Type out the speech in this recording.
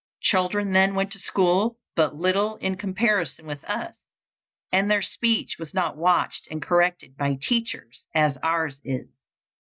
Children then went to school but little in comparison with us, and their speech was not watched and corrected by teachers as ours is.